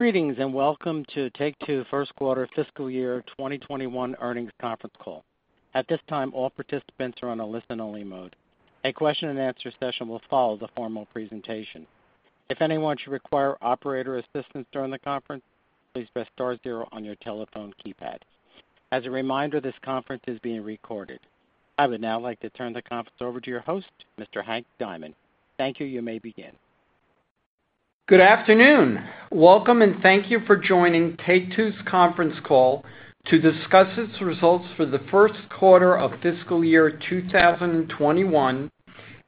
Greetings, and welcome to Take-Two first quarter fiscal year 2021 earnings conference call. At this time, all participants are on a listen-only mode. A question and answer session will follow the formal presentation. If anyone should require operator assistance during the conference, please press star zero on your telephone keypad. As a reminder, this conference is being recorded. I would now like to turn the conference over to your host, Mr. Hank Diamond. Thank you. You may begin. Good afternoon. Welcome and thank you for joining Take-Two's conference call to discuss its results for the first quarter of fiscal year 2021,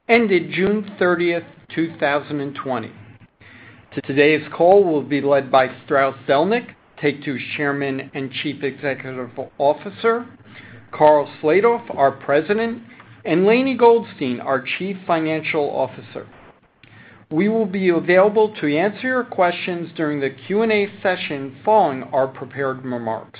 ended June 30th, 2020. Today's call will be led by Strauss Zelnick, Take-Two's Chairman and Chief Executive Officer, Karl Slatoff, our President, and Lainie Goldstein, our Chief Financial Officer. We will be available to answer your questions during the Q&A session following our prepared remarks.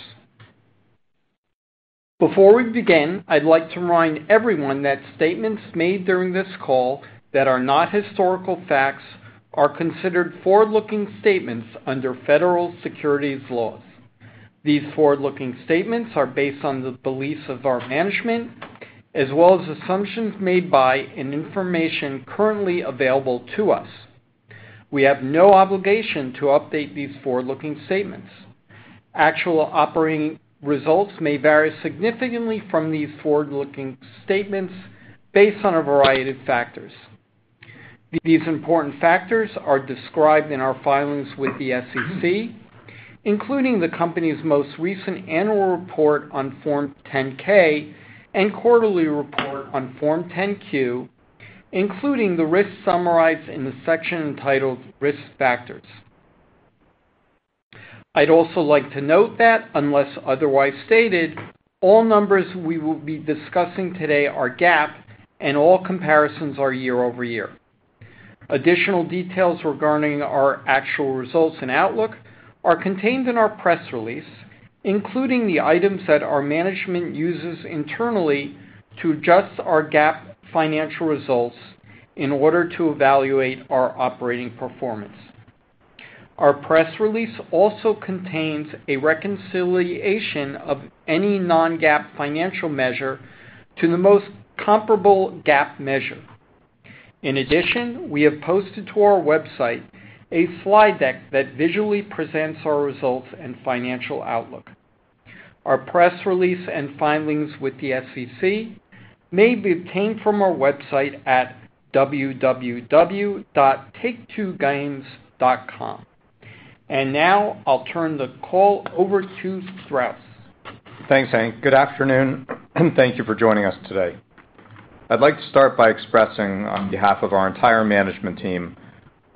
Before we begin, I'd like to remind everyone that statements made during this call that are not historical facts are considered forward-looking statements under federal securities laws. These forward-looking statements are based on the beliefs of our management, as well as assumptions made by and information currently available to us. We have no obligation to update these forward-looking statements. Actual operating results may vary significantly from these forward-looking statements based on a variety of factors. These important factors are described in our filings with the SEC, including the company's most recent annual report on Form 10-K and quarterly report on Form 10-Q, including the risks summarized in the section entitled Risk Factors. I'd also like to note that unless otherwise stated, all numbers we will be discussing today are GAAP and all comparisons are year-over-year. Additional details regarding our actual results and outlook are contained in our press release, including the items that our management uses internally to adjust our GAAP financial results in order to evaluate our operating performance. Our press release also contains a reconciliation of any non-GAAP financial measure to the most comparable GAAP measure. We have posted to our website a slide deck that visually presents our results and financial outlook. Our press release and filings with the SEC may be obtained from our website at www.take2games.com. Now I'll turn the call over to Strauss. Thanks, Hank. Good afternoon and thank you for joining us today. I'd like to start by expressing on behalf of our entire management team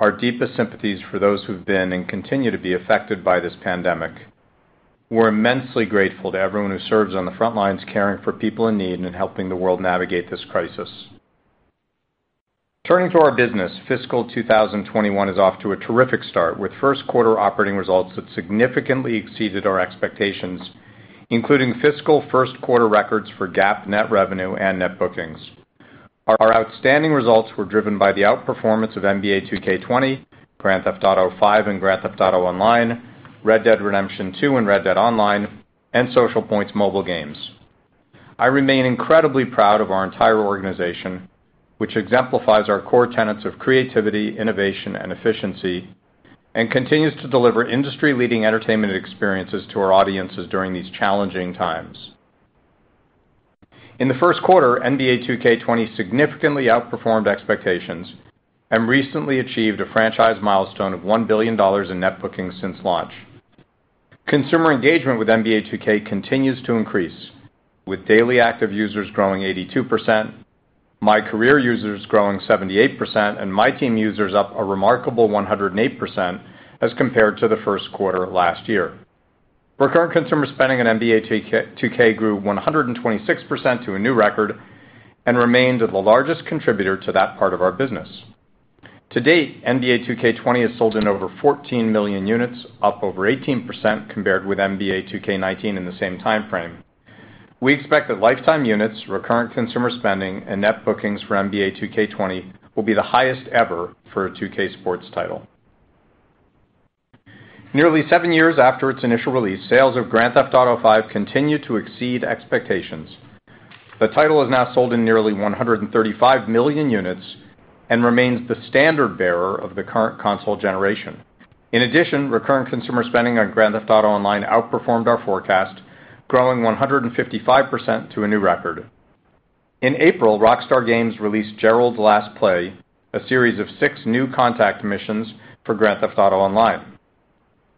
our deepest sympathies for those who've been and continue to be affected by this pandemic. We're immensely grateful to everyone who serves on the front lines caring for people in need and helping the world navigate this crisis. Turning to our business, fiscal 2021 is off to a terrific start with first quarter operating results that significantly exceeded our expectations, including fiscal first-quarter records for GAAP net revenue and net bookings. Our outstanding results were driven by the outperformance of NBA 2K20, Grand Theft Auto V and Grand Theft Auto Online, Red Dead Redemption 2 and Red Dead Online, and Social Point's mobile games. I remain incredibly proud of our entire organization, which exemplifies our core tenets of creativity, innovation, and efficiency and continues to deliver industry-leading entertainment experiences to our audiences during these challenging times. In the first quarter, NBA 2K20 significantly outperformed expectations and recently achieved a franchise milestone of $1 billion in net bookings since launch. Consumer engagement with NBA 2K continues to increase, with daily active users growing 82%, MyCAREER users growing 78%, and MyTEAM users up a remarkable 108% as compared to the first quarter of last year. Recurrent consumer spending on NBA 2K grew 126% to a new record and remains the largest contributor to that part of our business. To date, NBA 2K20 has sold in over 14 million units, up over 18% compared with NBA 2K19 in the same timeframe. We expect that lifetime units, recurrent consumer spending, and net bookings for NBA 2K20 will be the highest ever for a 2K sports title. Nearly seven years after its initial release, sales of Grand Theft Auto V continue to exceed expectations. The title has now sold in nearly 135 million units and remains the standard-bearer of the current console generation. In addition, recurrent consumer spending on Grand Theft Auto Online outperformed our forecast, growing 155% to a new record. In April, Rockstar Games released Gerald's Last Play, a series of six new contact missions for Grand Theft Auto Online.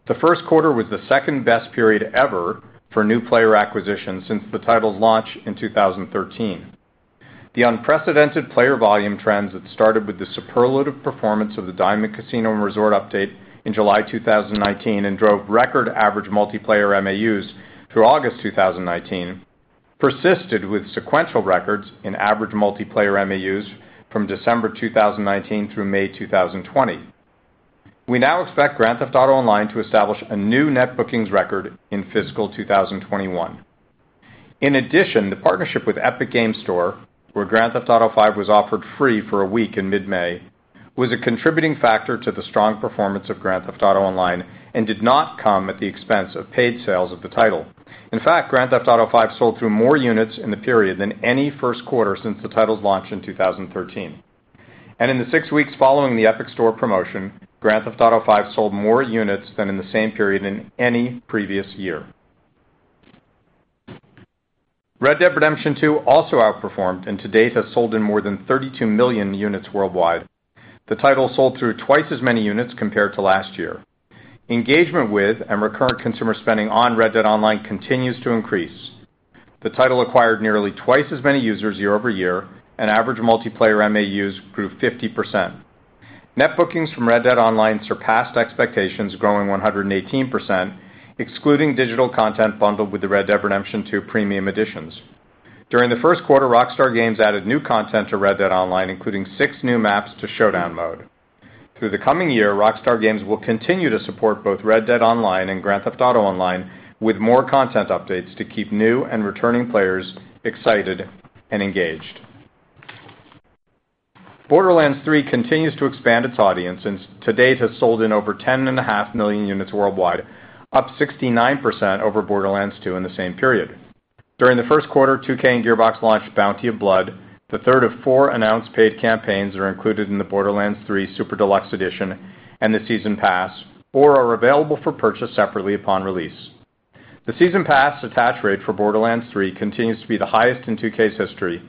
The first quarter was the second-best period ever for new player acquisition since the title's launch in 2013. The unprecedented player volume trends that started with the superlative performance of The Diamond Casino & Resort update in July 2019 and drove record average multiplayer MAUs through August 2019 persisted with sequential records in average multiplayer MAUs from December 2019 through May 2020. We now expect Grand Theft Auto Online to establish a new net bookings record in fiscal 2021. The partnership with Epic Games Store, where Grand Theft Auto V was offered free for a week in mid-May, was a contributing factor to the strong performance of Grand Theft Auto Online and did not come at the expense of paid sales of the title. Grand Theft Auto V sold through more units in the period than any first quarter since the title's launch in 2013. In the six weeks following the Epic Store promotion, Grand Theft Auto V sold more units than in the same period in any previous year. Red Dead Redemption 2 also outperformed, and to date, has sold in more than 32 million units worldwide. The title sold through twice as many units compared to last year. Engagement with and recurrent consumer spending on Red Dead Online continues to increase. The title acquired nearly twice as many users year-over-year, and average multiplayer MAUs grew 50%. Net bookings from Red Dead Online surpassed expectations, growing 118%, excluding digital content bundled with the Red Dead Redemption 2 premium editions. During the first quarter, Rockstar Games added new content to Red Dead Online, including six new maps to Showdown mode. Through the coming year, Rockstar Games will continue to support both Red Dead Online and Grand Theft Auto Online with more content updates to keep new and returning players excited and engaged. Borderlands 3 continues to expand its audience, and to date, has sold in over 10.5 million units worldwide, up 69% over Borderlands 2 in the same period. During the first quarter, 2K and Gearbox launched Bounty of Blood, the third of four announced paid campaigns that are included in the Borderlands 3 Super Deluxe Edition and the Season Pass, or are available for purchase separately upon release. The Season Pass attach rate for Borderlands 3 continues to be the highest in 2K's history,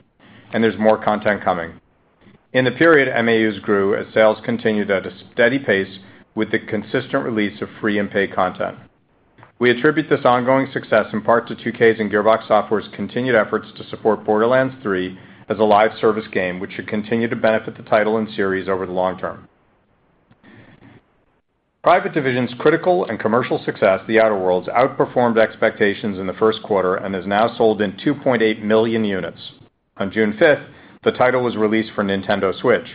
and there's more content coming. In the period, MAUs grew as sales continued at a steady pace with the consistent release of free and paid content. We attribute this ongoing success in part to 2K's and Gearbox Software's continued efforts to support Borderlands 3 as a live service game, which should continue to benefit the title and series over the long term. Private Division's critical and commercial success, The Outer Worlds, outperformed expectations in the first quarter and has now sold in 2.8 million units. On June 5th, the title was released for Nintendo Switch.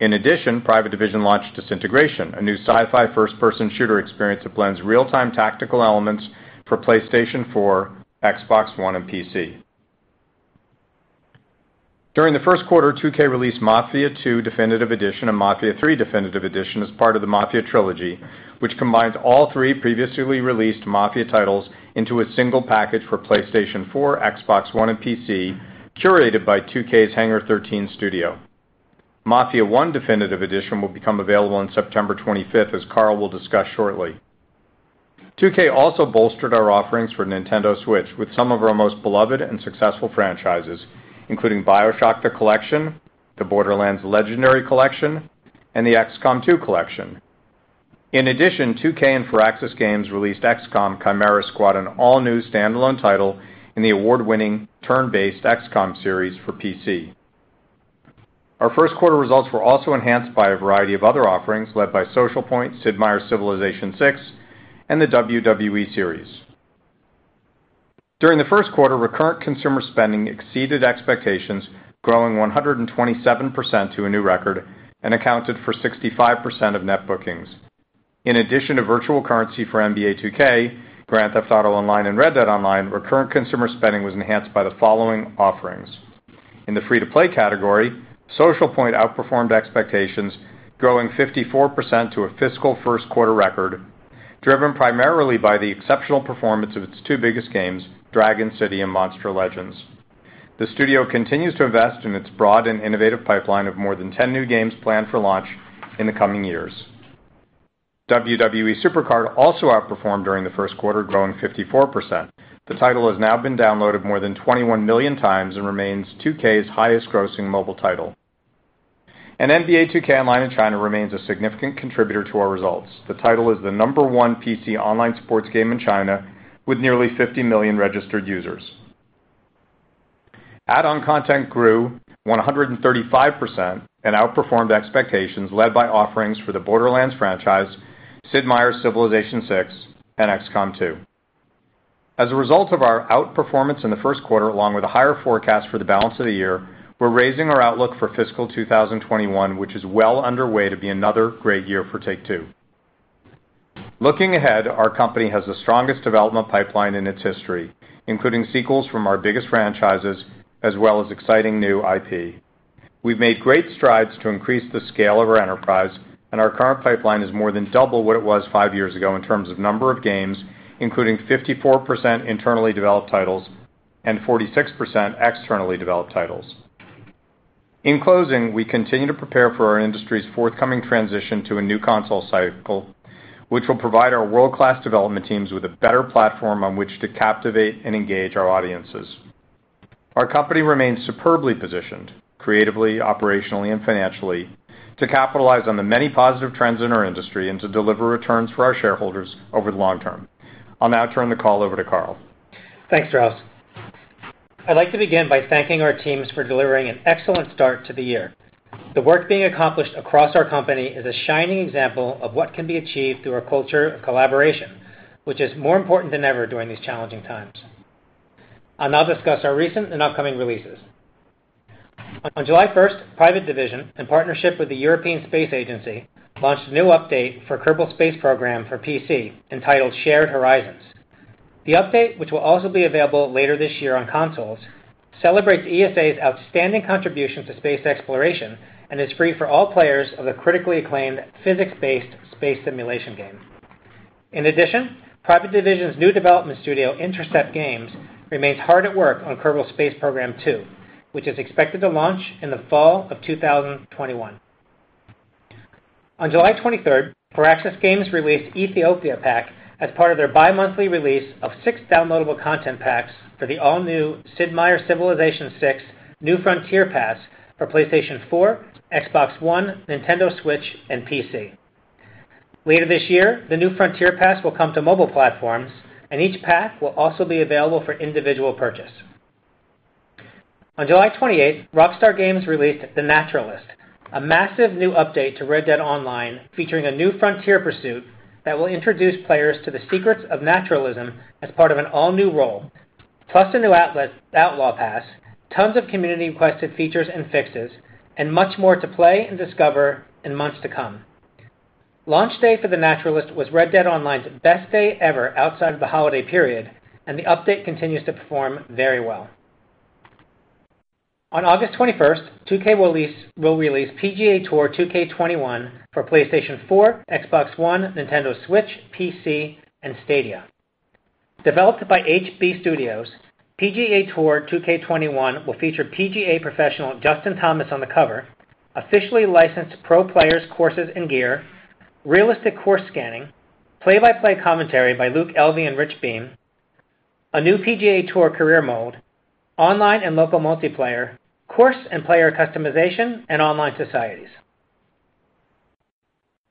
In addition, Private Division launched Disintegration, a new sci-fi first-person shooter experience that blends real-time tactical elements for PlayStation 4, Xbox One, and PC. During the first quarter, 2K released Mafia II: Definitive Edition and Mafia III: Definitive Edition as part of the Mafia Trilogy, which combines all three previously released Mafia titles into a single package for PlayStation 4, Xbox One, and PC, curated by 2K's Hangar 13 studio. Mafia: Definitive Edition will become available on September 25th, as Karl will discuss shortly. 2K also bolstered our offerings for Nintendo Switch with some of our most beloved and successful franchises, including BioShock: The Collection, the Borderlands Legendary Collection, and the XCOM 2 Collection. In addition, 2K and Firaxis Games released XCOM: Chimera Squad, an all-new standalone title in the award-winning turn-based XCOM series for PC. Our first quarter results were also enhanced by a variety of other offerings led by Social Point, Sid Meier's Civilization VI, and the WWE series. During the first quarter, recurrent consumer spending exceeded expectations, growing 127% to a new record and accounted for 65% of net bookings. In addition to virtual currency for NBA 2K, Grand Theft Auto Online, and Red Dead Online, recurrent consumer spending was enhanced by the following offerings. In the free-to-play category, Social Point outperformed expectations, growing 54% to a fiscal first quarter record, driven primarily by the exceptional performance of its two biggest games, Dragon City and Monster Legends. The studio continues to invest in its broad and innovative pipeline of more than 10 new games planned for launch in the coming years. WWE SuperCard also outperformed during the first quarter, growing 54%. The title has now been downloaded more than 21 million times and remains 2K's highest grossing mobile title. NBA 2K Online in China remains a significant contributor to our results. The title is the number one PC online sports game in China, with nearly 50 million registered users. Add-on content grew 135% and outperformed expectations led by offerings for the Borderlands franchise, Sid Meier's Civilization VI, and XCOM 2. As a result of our outperformance in the first quarter, along with a higher forecast for the balance of the year, we're raising our outlook for fiscal 2021, which is well underway to be another great year for Take-Two. Looking ahead, our company has the strongest development pipeline in its history, including sequels from our biggest franchises as well as exciting new IP. We've made great strides to increase the scale of our enterprise, and our current pipeline is more than double what it was five years ago in terms of number of games, including 54% internally developed titles and 46% externally developed titles. In closing, we continue to prepare for our industry's forthcoming transition to a new console cycle, which will provide our world-class development teams with a better platform on which to captivate and engage our audiences. Our company remains superbly positioned, creatively, operationally, and financially, to capitalize on the many positive trends in our industry and to deliver returns for our shareholders over the long term. I will now turn the call over to Karl. Thanks, Strauss. I'd like to begin by thanking our teams for delivering an excellent start to the year. The work being accomplished across our company is a shining example of what can be achieved through our culture of collaboration, which is more important than ever during these challenging times. I'll now discuss our recent and upcoming releases. On July 1st, Private Division, in partnership with the European Space Agency, launched a new update for Kerbal Space Program for PC entitled Shared Horizons. The update, which will also be available later this year on consoles, celebrates ESA's outstanding contribution to space exploration and is free for all players of the critically acclaimed physics-based space simulation game. In addition, Private Division's new development studio, Intercept Games, remains hard at work on Kerbal Space Program 2, which is expected to launch in the fall of 2021. On July 23rd, Firaxis Games released Ethiopia Pack as part of their bimonthly release of six downloadable content packs for the all-new Sid Meier's Civilization VI New Frontier Pass for PlayStation 4, Xbox One, Nintendo Switch, and PC. Later this year, the New Frontier Pass will come to mobile platforms, and each pack will also be available for individual purchase. On July 28th, Rockstar Games released The Naturalist, a massive new update to Red Dead Online featuring a new frontier pursuit that will introduce players to the secrets of naturalism as part of an all-new role. Plus, a new Outlaw Pass, tons of community-requested features and fixes, and much more to play and discover in months to come. Launch day for The Naturalist was Red Dead Online's best day ever outside of the holiday period, and the update continues to perform very well. On August 21st, 2K will release PGA Tour 2K21 for PlayStation 4, Xbox One, Nintendo Switch, PC, and Stadia. Developed by HB Studios, PGA Tour 2K21 will feature PGA professional Justin Thomas on the cover, officially licensed pro players, courses, and gear, realistic course scanning, play-by-play commentary by Luke Elvy and Rich Beem, a new PGA Tour career mode, online and local multiplayer, course and player customization, and online societies.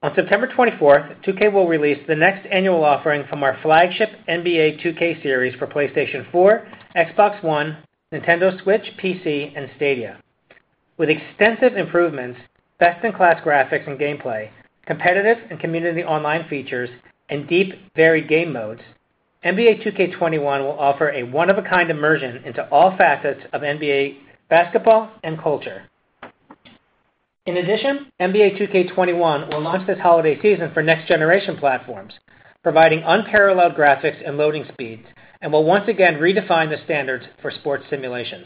On September 24th, 2K will release the next annual offering from our flagship NBA 2K series for PlayStation 4, Xbox One, Nintendo Switch, PC, and Stadia. With extensive improvements, best-in-class graphics and gameplay, competitive and community online features, and deep, varied game modes, NBA 2K21 will offer a one-of-a-kind immersion into all facets of NBA basketball and culture. NBA 2K21 will launch this holiday season for next generation platforms, providing unparalleled graphics and loading speeds, and will once again redefine the standards for sports simulations.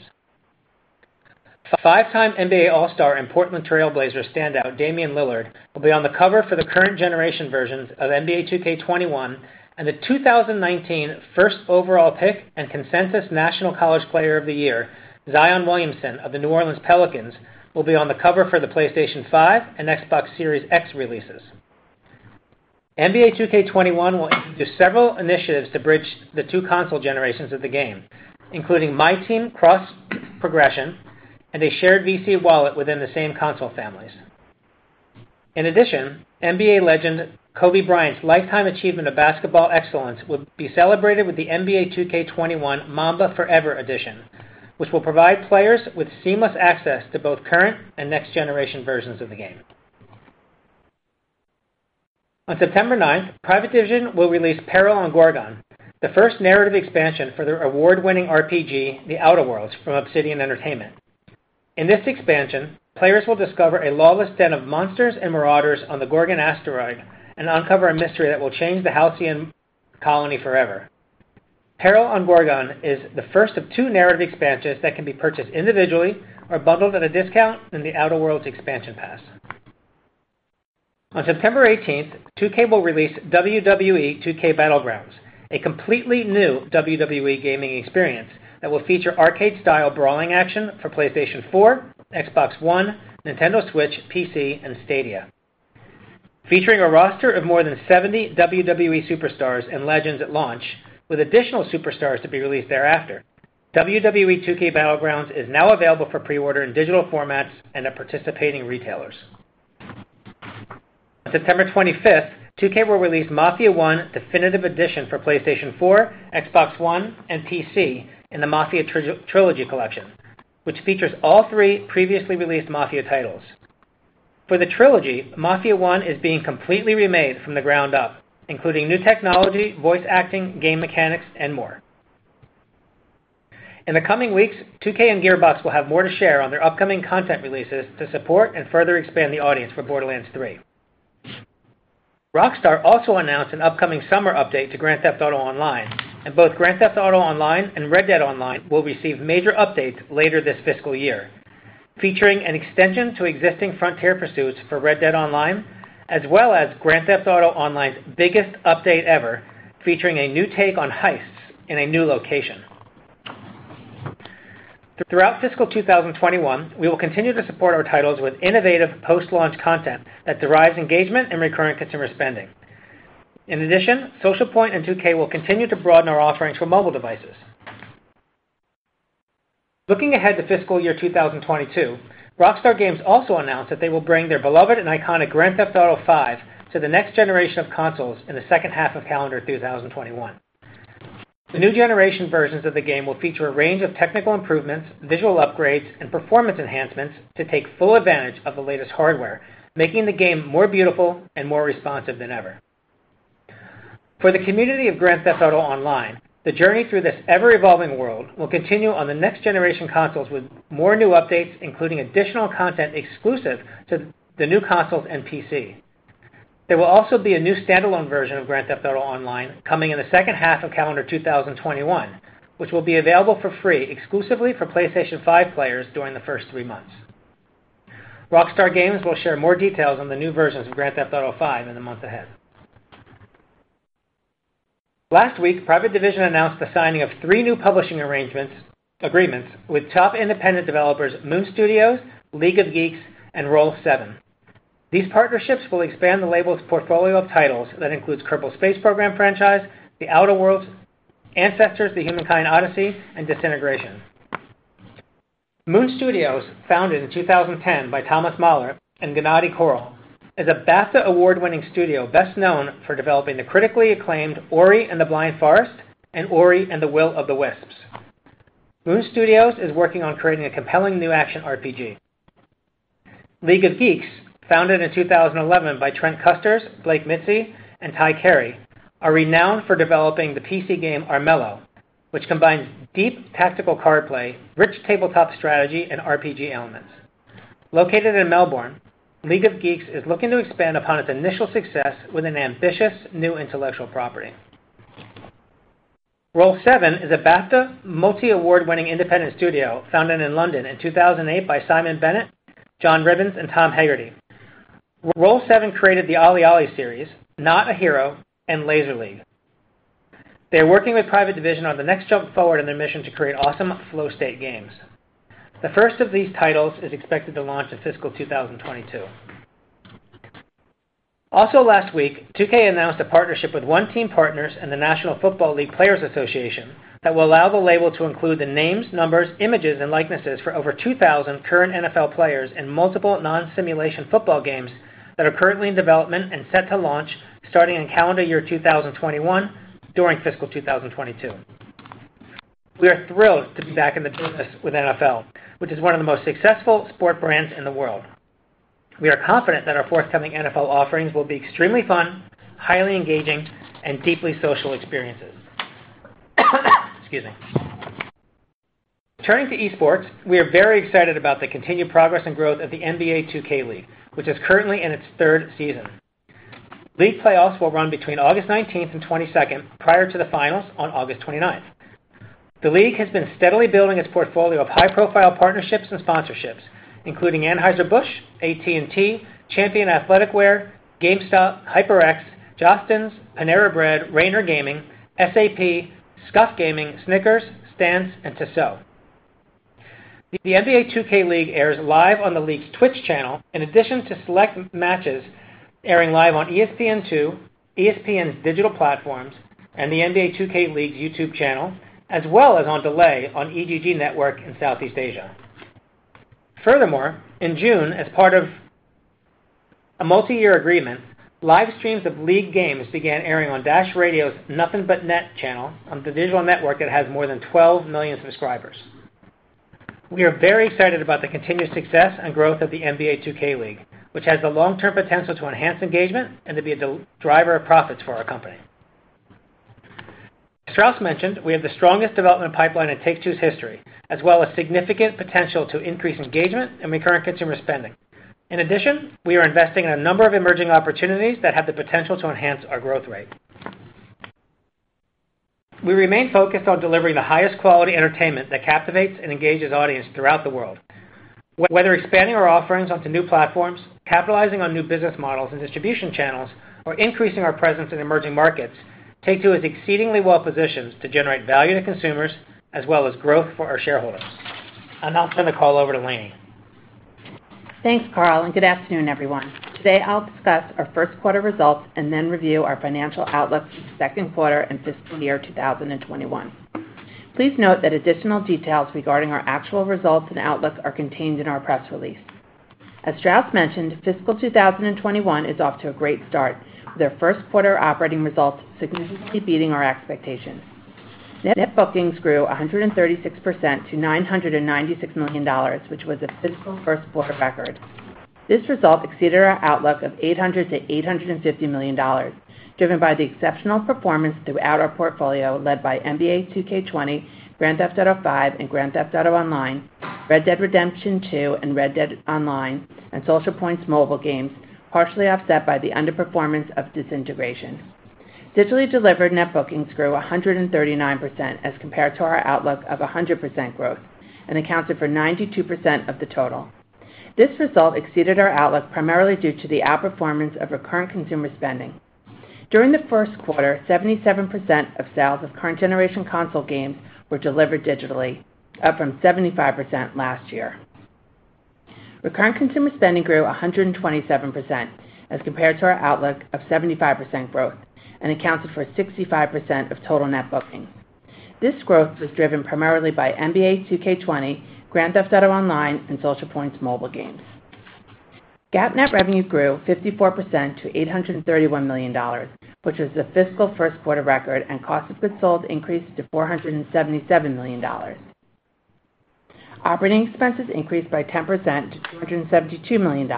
Five-time NBA All-Star and Portland Trail Blazers standout Damian Lillard will be on the cover for the current generation versions of NBA 2K21, and the 2019 first overall pick and consensus National College Player of the Year, Zion Williamson of the New Orleans Pelicans, will be on the cover for the PlayStation 5 and Xbox Series X releases. NBA 2K21 will introduce several initiatives to bridge the two console generations of the game, including MyTEAM cross-progression and a shared VC wallet within the same console families. In addition, NBA legend Kobe Bryant's lifetime achievement of basketball excellence will be celebrated with the NBA 2K21 Mamba Forever Edition, which will provide players with seamless access to both current and next-generation versions of the game. On September 9th, Private Division will release Peril on Gorgon, the first narrative expansion for their award-winning RPG, The Outer Worlds from Obsidian Entertainment. In this expansion, players will discover a lawless den of monsters and marauders on the Gorgon asteroid and uncover a mystery that will change the Halcyon colony forever. Peril on Gorgon is the first of two narrative expansions that can be purchased individually or bundled at a discount in The Outer Worlds Expansion Pass. On September 18th, 2K will release WWE 2K Battlegrounds, a completely new WWE gaming experience that will feature arcade-style brawling action for PlayStation 4, Xbox One, Nintendo Switch, PC, and Stadia. Featuring a roster of more than 70 WWE superstars and legends at launch with additional superstars to be released thereafter, WWE 2K Battlegrounds is now available for pre-order in digital formats and at participating retailers. On September 25th, 2K will release Mafia I: Definitive Edition for PlayStation 4, Xbox One, and PC in the Mafia Trilogy collection, which features all three previously released Mafia titles. For the Mafia Trilogy, Mafia I is being completely remade from the ground up, including new technology, voice acting, game mechanics, and more. In the coming weeks, 2K and Gearbox will have more to share on their upcoming content releases to support and further expand the audience for Borderlands 3. Rockstar also announced an upcoming summer update to Grand Theft Auto Online, and both Grand Theft Auto Online and Red Dead Online will receive major updates later this fiscal year, featuring an extension to existing frontier pursuits for Red Dead Online, as well as Grand Theft Auto Online's biggest update ever, featuring a new take on heists in a new location. Throughout fiscal 2021, we will continue to support our titles with innovative post-launch content that derives engagement and recurring consumer spending. In addition, Social Point and 2K will continue to broaden our offerings for mobile devices. Looking ahead to fiscal year 2022, Rockstar Games also announced that they will bring their beloved and iconic Grand Theft Auto V to the next generation of consoles in the second half of calendar 2021. The new generation versions of the game will feature a range of technical improvements, visual upgrades, and performance enhancements to take full advantage of the latest hardware, making the game more beautiful and more responsive than ever. For the community of Grand Theft Auto Online, the journey through this ever-evolving world will continue on the next generation consoles with more new updates, including additional content exclusive to the new consoles and PC. There will also be a new standalone version of Grand Theft Auto Online coming in the second half of calendar 2021, which will be available for free exclusively for PlayStation 5 players during the first three months. Rockstar Games will share more details on the new versions of Grand Theft Auto V in the months ahead. Last week, Private Division announced the signing of three new publishing agreements with top independent developers Moon Studios, League of Geeks, and Roll7. These partnerships will expand the label's portfolio of titles that includes Kerbal Space Program franchise, The Outer Worlds, Ancestors: The Humankind Odyssey, and Disintegration. Moon Studios, founded in 2010 by Thomas Mahler and Gennadiy Korol, is a BAFTA award-winning studio best known for developing the critically acclaimed Ori and the Blind Forest and Ori and the Will of the Wisps. Moon Studios is working on creating a compelling new action RPG. League of Geeks, founded in 2011 by Trent Kusters, Blake Mizzi, and Ty Carey, are renowned for developing the PC game Armello, which combines deep tactical card play, rich tabletop strategy, and RPG elements. Located in Melbourne, League of Geeks is looking to expand upon its initial success with an ambitious new intellectual property. Roll7 is a BAFTA multi-award winning independent studio founded in London in 2008 by Simon Bennett, John Ribbins, and Tom Hegarty. Roll7 created the OlliOlli series, Not a Hero, and Laser League. They are working with Private Division on the next jump forward in their mission to create awesome flow state games. The first of these titles is expected to launch in fiscal 2022. Last week, 2K announced a partnership with OneTeam Partners and the National Football League Players Association that will allow the label to include the names, numbers, images, and likenesses for over 2,000 current NFL players in multiple non-simulation football games that are currently in development and set to launch starting in calendar year 2021 during fiscal 2022. We are thrilled to be back in the business with NFL, which is one of the most successful sport brands in the world. We are confident that our forthcoming NFL offerings will be extremely fun, highly engaging, and deeply social experiences. Excuse me. Turning to esports, we are very excited about the continued progress and growth of the NBA 2K League, which is currently in its third season. League playoffs will run between August 19th and 22nd, prior to the finals on August 29th. The league has been steadily building its portfolio of high-profile partnerships and sponsorships, including Anheuser-Busch, AT&T, Champion Athleticwear, GameStop, HyperX, Jostens, Panera Bread, Raynor Gaming, SAP, Scuf Gaming, Snickers, Stance, and Tissot. The NBA 2K League airs live on the league's Twitch channel in addition to select matches airing live on ESPN2, ESPN's digital platforms, and the NBA 2K League's YouTube channel, as well as on delay on eGG Network in Southeast Asia. Furthermore, in June, as part of a multi-year agreement, live streams of league games began airing on Dash Radio's Nothing But Net channel on the digital network that has more than 12 million subscribers. We are very excited about the continued success and growth of the NBA 2K League, which has the long-term potential to enhance engagement and to be a driver of profits for our company. As Strauss mentioned, we have the strongest development pipeline in Take-Two's history, as well as significant potential to increase engagement and recurrent consumer spending. In addition, we are investing in a number of emerging opportunities that have the potential to enhance our growth rate. We remain focused on delivering the highest quality entertainment that captivates and engages audience throughout the world. Whether expanding our offerings onto new platforms, capitalizing on new business models and distribution channels, or increasing our presence in emerging markets, Take-Two is exceedingly well positioned to generate value to consumers as well as growth for our shareholders. Now I'll turn the call over to Lainie. Thanks, Karl. Good afternoon, everyone. Today, I'll discuss our first quarter results and then review our financial outlook for the second quarter and fiscal year 2021. Please note that additional details regarding our actual results and outlook are contained in our press release. As Strauss mentioned, fiscal 2021 is off to a great start, with our first quarter operating results significantly beating our expectations. Net bookings grew 136% to $996 million, which was a fiscal first quarter record. This result exceeded our outlook of $800 million-$850 million, driven by the exceptional performance throughout our portfolio, led by NBA 2K20, Grand Theft Auto V, and Grand Theft Auto Online, Red Dead Redemption 2, and Red Dead Online, and Social Point's mobile games, partially offset by the underperformance of Disintegration. Digitally delivered net bookings grew 139% as compared to our outlook of 100% growth and accounted for 92% of the total. This result exceeded our outlook primarily due to the outperformance of recurrent consumer spending. During the first quarter, 77% of sales of current generation console games were delivered digitally, up from 75% last year. Recurrent consumer spending grew 127% as compared to our outlook of 75% growth and accounted for 65% of total net bookings. This growth was driven primarily by NBA 2K20, Grand Theft Auto Online, and Social Point's mobile games. GAAP net revenue grew 54% to $831 million, which was the fiscal first quarter record, and cost of goods sold increased to $477 million. Operating expenses increased by 10% to $272 million,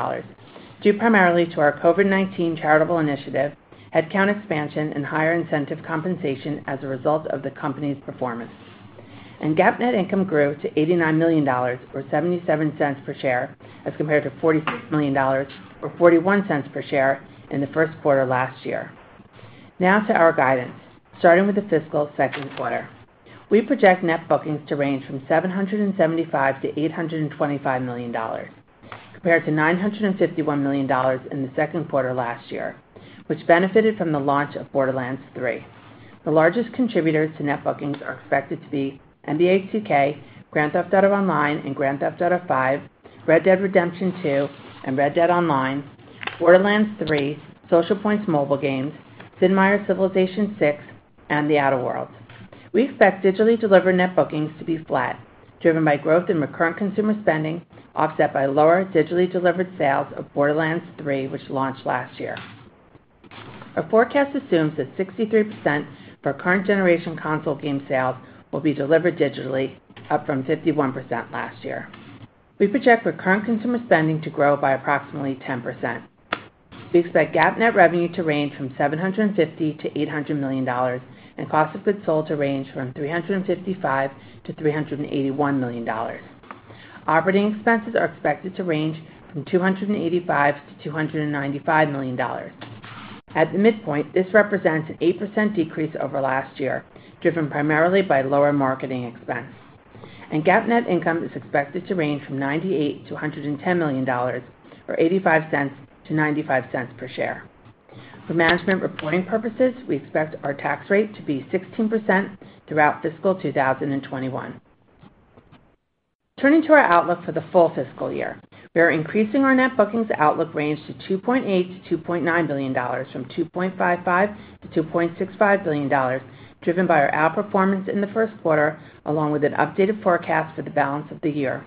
due primarily to our COVID-19 charitable initiative, headcount expansion, and higher incentive compensation as a result of the company's performance. GAAP net income grew to $89 million, or $0.77 per share, as compared to $46 million or $0.41 per share in the first quarter last year. Now to our guidance. Starting with the fiscal second quarter. We project Net Bookings to range from $775 million-$825 million, compared to $951 million in the second quarter last year, which benefited from the launch of Borderlands 3. The largest contributors to Net Bookings are expected to be NBA 2K, Grand Theft Auto Online and Grand Theft Auto V, Red Dead Redemption 2 and Red Dead Online, Borderlands 3, Social Point's mobile games, Sid Meier's Civilization VI, and The Outer Worlds. We expect digitally delivered Net Bookings to be flat, driven by growth in recurrent consumer spending, offset by lower digitally delivered sales of Borderlands 3, which launched last year. Our forecast assumes that 63% of our current generation console game sales will be delivered digitally, up from 51% last year. We project recurrent consumer spending to grow by approximately 10%. We expect GAAP net revenue to range from $750 million-$800 million and cost of goods sold to range from $355 million-$381 million. Operating expenses are expected to range from $285 million-$295 million. At the midpoint, this represents an 8% decrease over last year, driven primarily by lower marketing expense. GAAP net income is expected to range from $98 million-$110 million, or $0.85-$0.95 per share. For management reporting purposes, we expect our tax rate to be 16% throughout fiscal 2021. Turning to our outlook for the full fiscal year. We are increasing our net bookings outlook range to $2.8 billion-$2.9 billion from $2.55 billion-$2.65 billion, driven by our outperformance in the first quarter, along with an updated forecast for the balance of the year.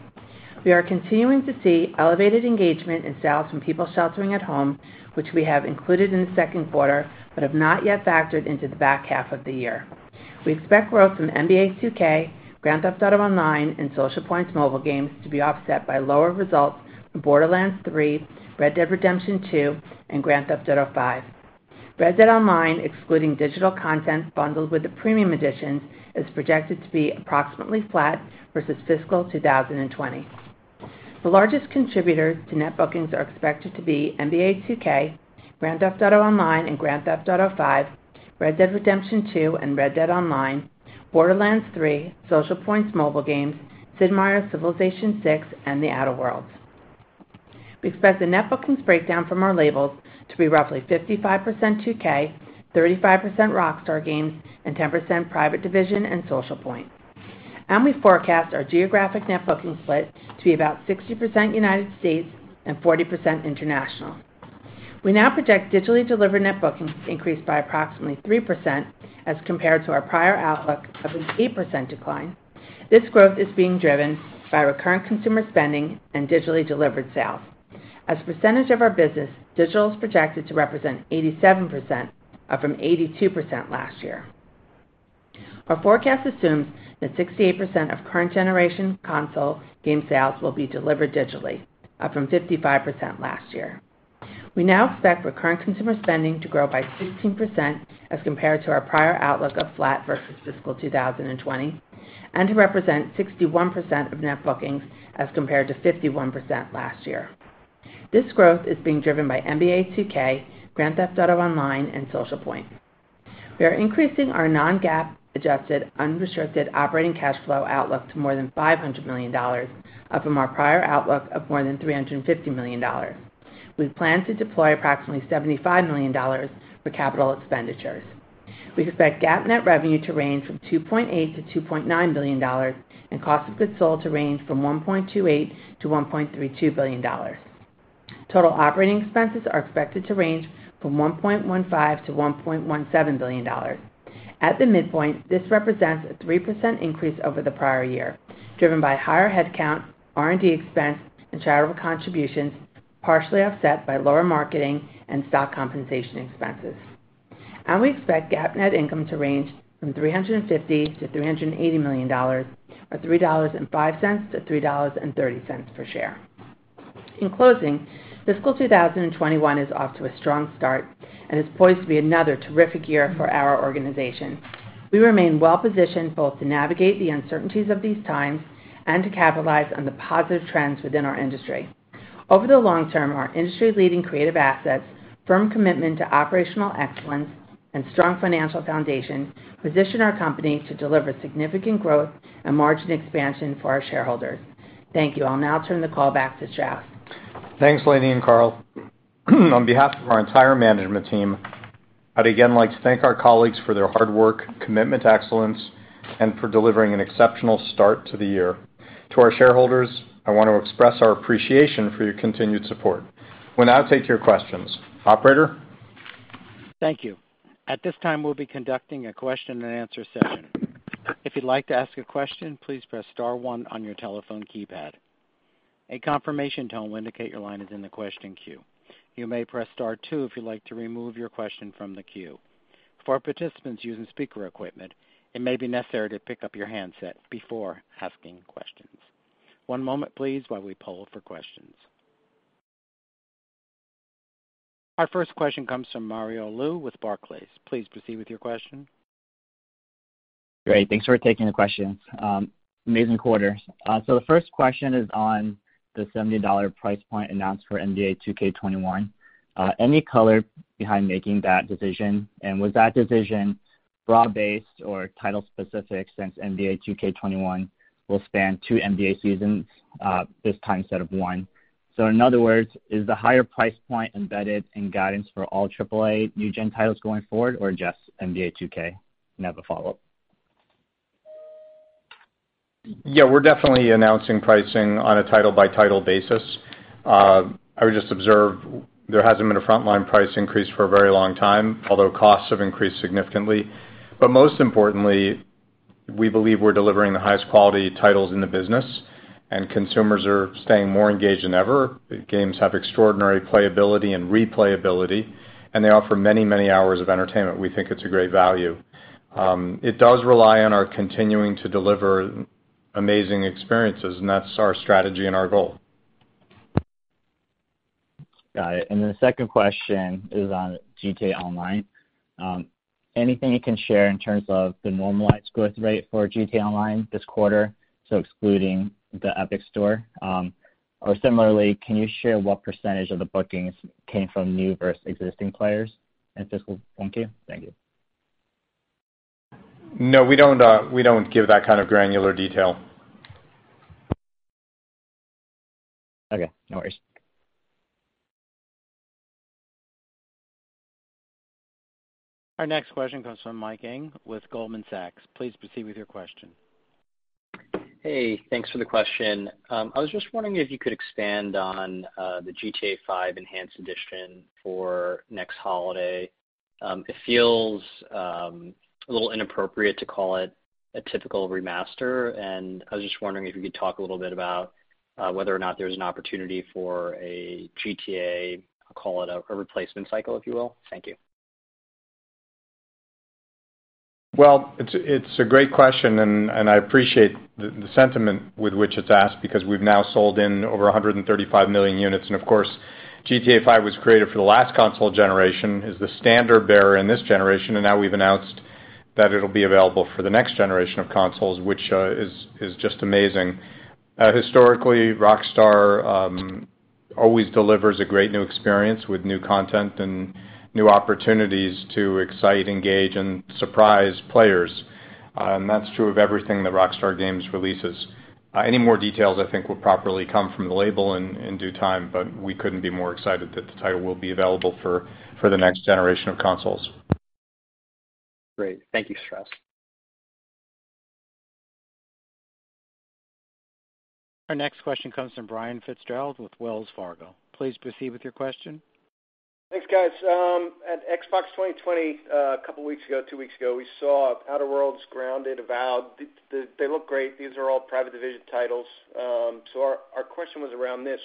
We are continuing to see elevated engagement in sales from people sheltering at home, which we have included in the second quarter, but have not yet factored into the back half of the year. We expect growth from NBA 2K, Grand Theft Auto Online, and Social Point's mobile games to be offset by lower results from Borderlands 3, Red Dead Redemption 2, and Grand Theft Auto V. Red Dead Online, excluding digital content bundled with the premium editions, is projected to be approximately flat versus fiscal 2020. The largest contributors to net bookings are expected to be NBA 2K, Grand Theft Auto Online and Grand Theft Auto V, Red Dead Redemption 2 and Red Dead Online, Borderlands 3, Social Point's mobile games, Sid Meier's Civilization VI, and The Outer Worlds. We expect the net bookings breakdown from our labels to be roughly 55% 2K, 35% Rockstar Games, and 10% Private Division and Social Point. We forecast our geographic net booking split to be about 60% United States and 40% international. We now project digitally delivered net bookings to increase by approximately 3%, as compared to our prior outlook of an 8% decline. This growth is being driven by recurrent consumer spending and digitally delivered sales. As a percentage of our business, digital is projected to represent 87%, up from 82% last year. Our forecast assumes that 68% of current generation console game sales will be delivered digitally, up from 55% last year. We now expect recurrent consumer spending to grow by 16%, as compared to our prior outlook of flat versus fiscal 2020, and to represent 61% of net bookings as compared to 51% last year. This growth is being driven by NBA 2K, Grand Theft Auto Online, and Social Point. We are increasing our non-GAAP adjusted unrestricted operating cash flow outlook to more than $500 million, up from our prior outlook of more than $350 million. We plan to deploy approximately $75 million for capital expenditures. We expect GAAP net revenue to range from $2.8 billion-$2.9 billion and cost of goods sold to range from $1.28 billion-$1.32 billion. Total operating expenses are expected to range from $1.15 billion-$1.17 billion. At the midpoint, this represents a 3% increase over the prior year, driven by higher headcount, R&D expense, and charitable contributions, partially offset by lower marketing and stock compensation expenses. We expect GAAP net income to range from $350 million-$380 million, or $3.05-$3.30 per share. In closing, fiscal 2021 is off to a strong start and is poised to be another terrific year for our organization. We remain well-positioned both to navigate the uncertainties of these times and to capitalize on the positive trends within our industry. Over the long term, our industry-leading creative assets, firm commitment to operational excellence, and strong financial foundation position our company to deliver significant growth and margin expansion for our shareholders. Thank you. I'll now turn the call back to Strauss. Thanks, Lainie and Karl. On behalf of our entire management team, I'd again like to thank our colleagues for their hard work, commitment to excellence, and for delivering an exceptional start to the year. To our shareholders, I want to express our appreciation for your continued support. We'll now take your questions. Operator. Thank you. At this time, we'll be conducting a question-and-answer session. If you'd like to ask a question, please press star one on your telephone keypad. A confirmation tone will indicate your line is in the question queue. You may press star two if you'd like to remove your question from the queue. For participants using speaker equipment, it may be necessary to pick up your handset before asking questions. One moment please, while we poll for questions. Our first question comes from Mario Lu with Barclays. Please proceed with your question. Great. Thanks for taking the question. Amazing quarter. The first question is on the $70 price point announced for NBA 2K21. Any color behind making that decision, was that decision broad based or title specific, since NBA 2K21 will span two NBA seasons this time, instead of one. In other words, is the higher price point embedded in guidance for all AAA new gen titles going forward or just NBA 2K? I have a follow-up. Yeah, we're definitely announcing pricing on a title by title basis. I would just observe there hasn't been a frontline price increase for a very long time, although costs have increased significantly. Most importantly, we believe we're delivering the highest quality titles in the business and consumers are staying more engaged than ever. The games have extraordinary playability and replayability, and they offer many, many hours of entertainment. We think it's a great value. It does rely on our continuing to deliver amazing experiences, and that's our strategy and our goal. Got it. The second question is on GTA Online. Anything you can share in terms of the normalized growth rate for GTA Online this quarter, so excluding the Epic Store? Similarly, can you share what percentage of the bookings came from new versus existing players in fiscal Q1? Thank you. No, we don't give that kind of granular detail. Okay, no worries. Our next question comes from Mike Ng with Goldman Sachs. Please proceed with your question. Hey, thanks for the question. I was just wondering if you could expand on the GTA V Enhanced Edition for next holiday. It feels a little inappropriate to call it a typical remaster. I was just wondering if you could talk a little bit about whether or not there's an opportunity for a GTA, call it a replacement cycle, if you will. Thank you. Well, it's a great question and I appreciate the sentiment with which it's asked because we've now sold in over 135 million units. Of course, GTA V was created for the last console generation, is the standard bearer in this generation, and now we've announced that it'll be available for the next generation of consoles, which is just amazing. Historically, Rockstar always delivers a great new experience with new content and new opportunities to excite, engage, and surprise players. That's true of everything that Rockstar Games releases. Any more details, I think, will properly come from the label in due time, but we couldn't be more excited that the title will be available for the next generation of consoles. Great. Thank you, Strauss. Our next question comes from Brian Fitzgerald with Wells Fargo. Please proceed with your question. Thanks, guys. At Xbox 2020, a couple of weeks ago, two weeks ago, we saw Outer Worlds, Grounded, Avowed. They look great. These are all Private Division titles. Our question was around this: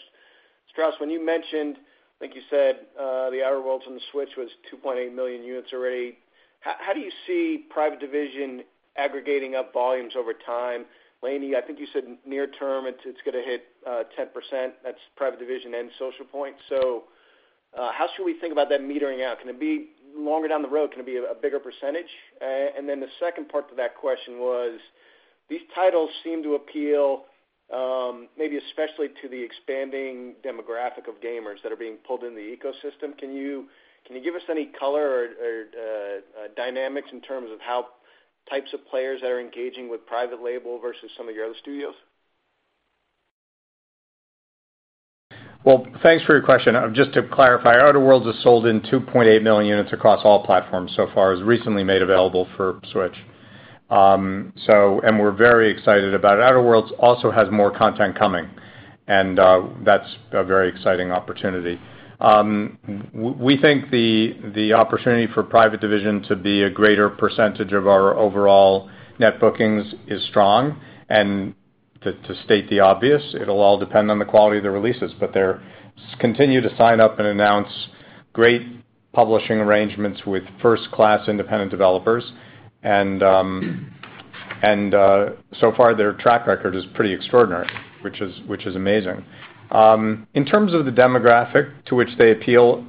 Strauss, when you mentioned, I think you said, The Outer Worlds on the Switch was 2.8 million units already. How do you see Private Division aggregating up volumes over time? Lainie, I think you said near term it's going to hit 10%. That's Private Division and Social Point. How should we think about that metering out? Can it be longer down the road? Can it be a bigger percentage? The second part to that question was, these titles seem to appeal, maybe especially to the expanding demographic of gamers that are being pulled in the ecosystem. Can you give us any color or dynamics in terms of how types of players that are engaging with private label versus some of your other studios? Well, thanks for your question. Just to clarify, The Outer Worlds has sold in 2.8 million units across all platforms so far. It was recently made available for Nintendo Switch. We're very excited about it. The Outer Worlds also has more content coming, and that's a very exciting opportunity. We think the opportunity for Private Division to be a greater percentage of our overall net bookings is strong. To state the obvious, it'll all depend on the quality of the releases. They continue to sign up and announce great publishing arrangements with first-class independent developers, and so far, their track record is pretty extraordinary, which is amazing. In terms of the demographic to which they appeal,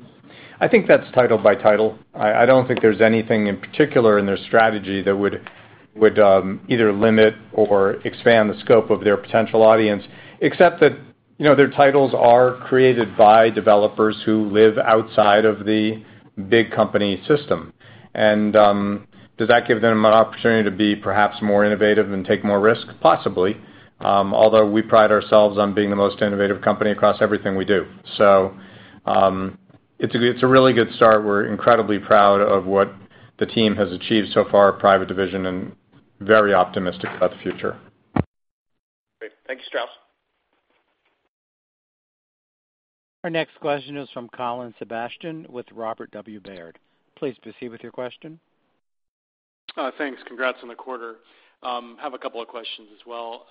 I think that's title by title. I don't think there's anything in particular in their strategy that would either limit or expand the scope of their potential audience, except that their titles are created by developers who live outside of the big company system. Does that give them an opportunity to be perhaps more innovative and take more risk? Possibly. Although, we pride ourselves on being the most innovative company across everything we do. It's a really good start. We're incredibly proud of what the team has achieved so far at Private Division and very optimistic about the future. Great. Thank you, Strauss. Our next question is from Colin Sebastian with Robert W. Baird. Please proceed with your question. Thanks. Congrats on the quarter. Have a couple of questions as well.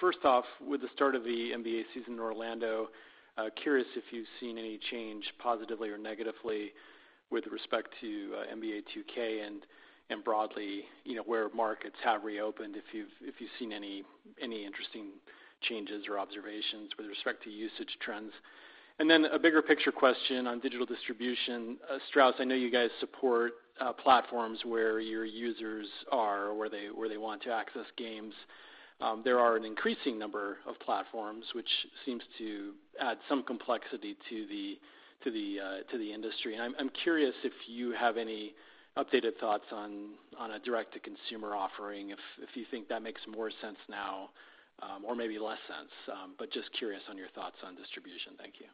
First off, with the start of the NBA season in Orlando, curious if you've seen any change positively or negatively with respect to NBA 2K and broadly, where markets have reopened, if you've seen any interesting changes or observations with respect to usage trends. A bigger picture question on digital distribution. Strauss, I know you guys support platforms where your users are, where they want to access games. There are an increasing number of platforms, which seems to add some complexity to the industry, and I'm curious if you have any updated thoughts on a direct-to-consumer offering, if you think that makes more sense now, or maybe less sense. Just curious on your thoughts on distribution. Thank you.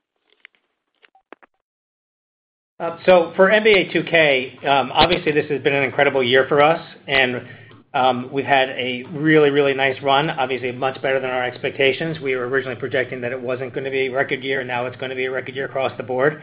For NBA 2K, obviously this has been an incredible year for us, and we've had a really, really nice run, obviously much better than our expectations. We were originally projecting that it wasn't going to be a record year, and now it's going to be a record year across the board.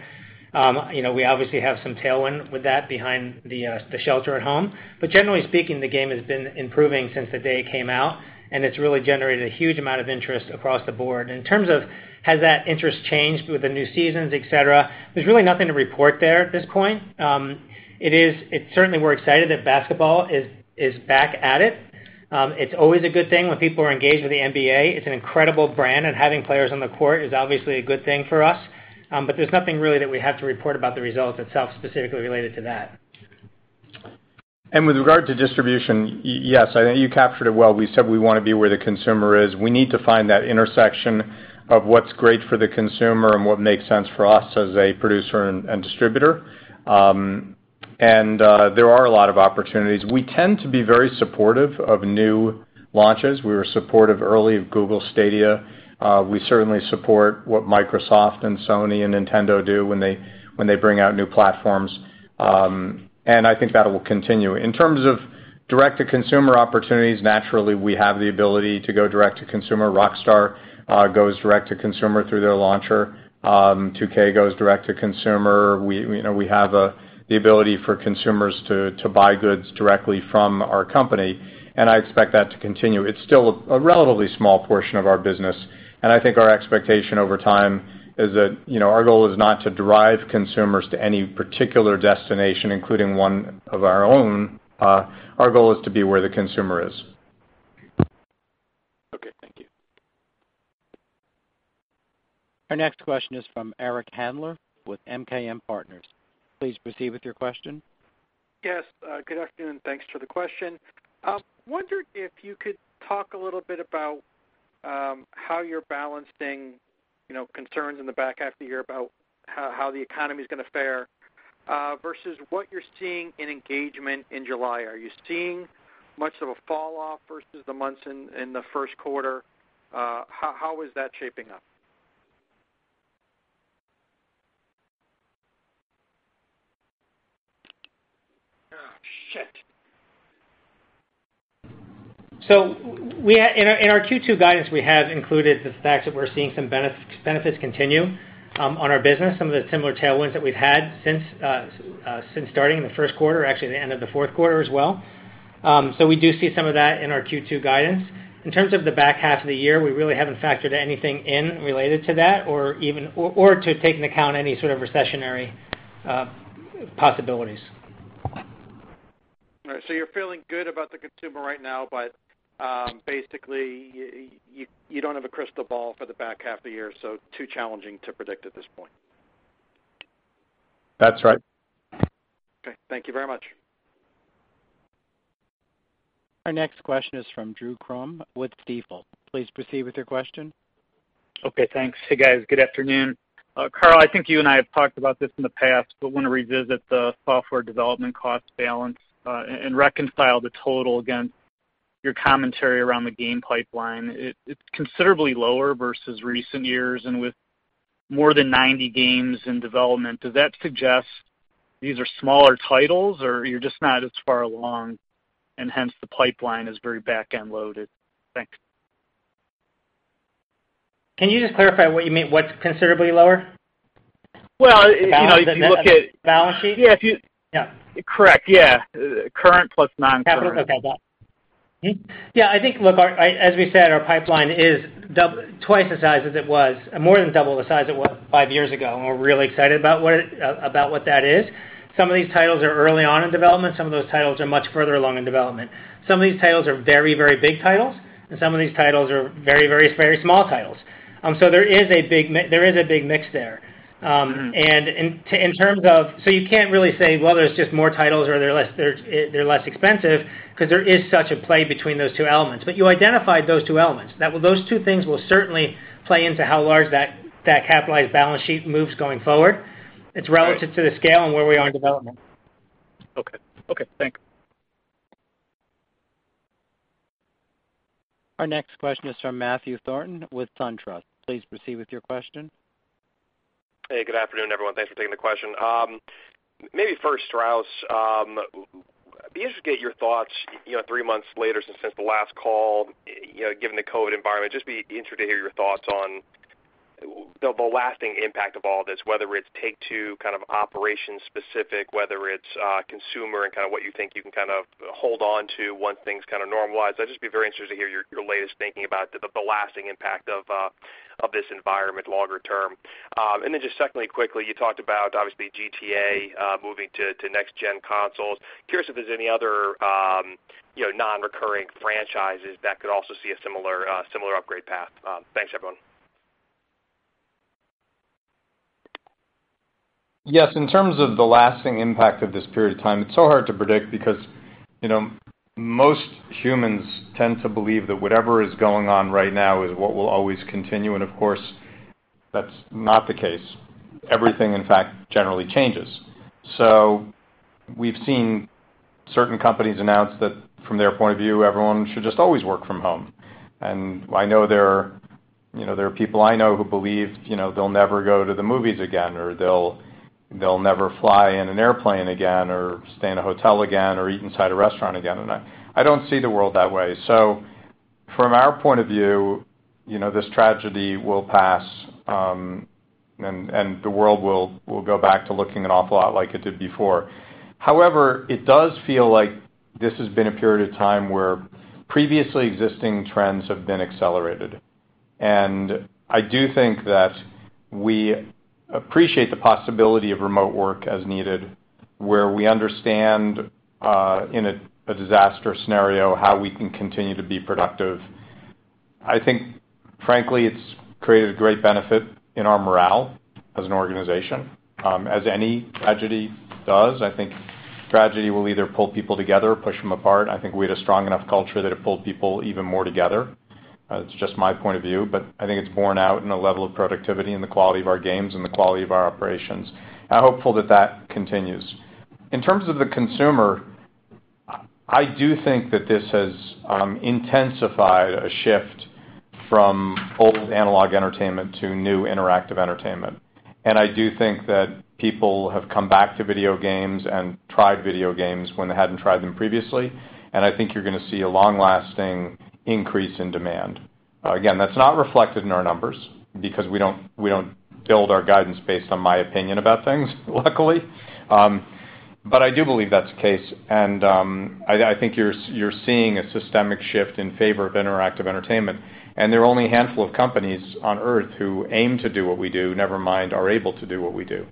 We obviously have some tailwind with that behind the shelter at home. Generally speaking, the game has been improving since the day it came out, and it's really generated a huge amount of interest across the board. In terms of, has that interest changed with the new seasons, et cetera, there's really nothing to report there at this point. Certainly we're excited that basketball is back at it. It's always a good thing when people are engaged with the NBA. It's an incredible brand and having players on the court is obviously a good thing for us. There's nothing really that we have to report about the results itself specifically related to that. With regard to distribution, yes, I think you captured it well. We said we want to be where the consumer is. We need to find that intersection of what's great for the consumer and what makes sense for us as a producer and distributor. There are a lot of opportunities. We tend to be very supportive of new launches. We were supportive early of Google Stadia. We certainly support what Microsoft and Sony and Nintendo do when they bring out new platforms. I think that will continue. In terms of direct-to-consumer opportunities, naturally we have the ability to go direct to consumer. Rockstar goes direct to consumer through their launcher. 2K goes direct to consumer. We have the ability for consumers to buy goods directly from our company, and I expect that to continue. It's still a relatively small portion of our business, and I think our expectation over time is that our goal is not to drive consumers to any particular destination, including one of our own. Our goal is to be where the consumer is. Okay, thank you. Our next question is from Eric Handler with MKM Partners. Please proceed with your question. Yes, good afternoon. Thanks for the question. Wondered if you could talk a little bit about how you're balancing concerns in the back half of the year about how the economy's going to fare, versus what you're seeing in engagement in July. Are you seeing much of a fall off versus the months in the first quarter? How is that shaping up? In our Q2 guidance, we have included the fact that we're seeing some benefits continue on our business, some of the similar tailwinds that we've had since starting in the first quarter, actually the end of the fourth quarter as well. We do see some of that in our Q2 guidance. In terms of the back half of the year, we really haven't factored anything in related to that or to take into account any sort of recessionary possibilities. All right. You're feeling good about the consumer right now, but basically, you don't have a crystal ball for the back half of the year, so too challenging to predict at this point. That's right. Okay, thank you very much. Our next question is from Drew Crum with Stifel. Please proceed with your question. Okay, thanks. Hey, guys. Good afternoon. Karl, I think you and I have talked about this in the past, want to revisit the software development cost balance and reconcile the total against your commentary around the game pipeline. It's considerably lower versus recent years. With more than 90 games in development, does that suggest these are smaller titles or you're just not as far along, and hence the pipeline is very back-end loaded? Thanks. Can you just clarify what you mean? What's considerably lower? Well, if you look at- Balance sheet? Yeah. Yeah. Correct, yeah. Current plus non-current. Okay. Yeah, I think as we said, our pipeline is twice the size as it was, more than double the size it was five years ago, and we're really excited about what that is. Some of these titles are early on in development, some of those titles are much further along in development. Some of these titles are very, very big titles, some of these titles are very small titles. There is a big mix there. You can't really say, "Well, there's just more titles" or "They're less expensive," because there is such a play between those two elements. You identified those two elements. Those two things will certainly play into how large that capitalized balance sheet moves going forward. It's relative to the scale and where we are in development. Okay, thanks. Our next question is from Matthew Thornton with SunTrust. Please proceed with your question. Hey, good afternoon, everyone. Thanks for taking the question. Strauss, I'd be interested to get your thoughts three months later since the last call, given the COVID-19 environment. Just be interested to hear your thoughts on the lasting impact of all this, whether it's Take-Two kind of operation specific, whether it's consumer and what you think you can hold onto once things normalize. I'd just be very interested to hear your latest thinking about the lasting impact of this environment longer term. Just secondly, quickly, you talked about obviously GTA moving to next-gen consoles. Curious if there's any other non-recurring franchises that could also see a similar upgrade path. Thanks, everyone. Yes. In terms of the lasting impact of this period of time, it's so hard to predict because most humans tend to believe that whatever is going on right now is what will always continue, and of course, that's not the case. Everything, in fact, generally changes. We've seen certain companies announce that from their point of view, everyone should just always work from home. There are people I know who believe they'll never go to the movies again or they'll never fly in an airplane again or stay in a hotel again or eat inside a restaurant again. I don't see the world that way. From our point of view, this tragedy will pass and the world will go back to looking an awful lot like it did before. However, it does feel like this has been a period of time where previously existing trends have been accelerated. I do think that we appreciate the possibility of remote work as needed, where we understand in a disaster scenario how we can continue to be productive. I think frankly, it's created a great benefit in our morale as an organization, as any tragedy does. I think tragedy will either pull people together or push them apart. I think we had a strong enough culture that it pulled people even more together. It's just my point of view, but I think it's borne out in the level of productivity and the quality of our games and the quality of our operations. I'm hopeful that that continues. In terms of the consumer, I do think that this has intensified a shift from old analog entertainment to new interactive entertainment. I do think that people have come back to video games and tried video games when they hadn't tried them previously. I think you're going to see a long-lasting increase in demand. Again, that's not reflected in our numbers because we don't build our guidance based on my opinion about things, luckily. I do believe that's the case. I think you're seeing a systemic shift in favor of interactive entertainment, and there are only a handful of companies on Earth who aim to do what we do, never mind are able to do what we do.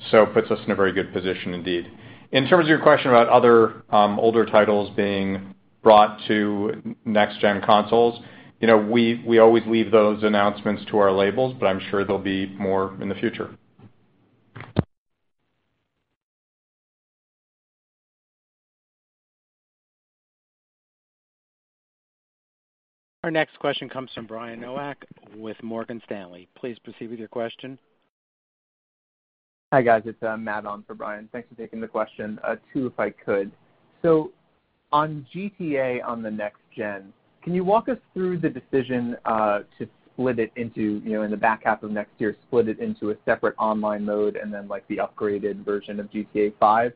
It puts us in a very good position indeed. In terms of your question about other older titles being brought to next-gen consoles, we always leave those announcements to our labels, but I'm sure there'll be more in the future. Our next question comes from Brian Nowak with Morgan Stanley. Please proceed with your question. Hi, guys. It's Matt on for Brian. Thanks for taking the question. Two, if I could. On GTA on the next gen, can you walk us through the decision to split it into, in the back half of next year, split it into a separate online mode and then the upgraded version of GTA V?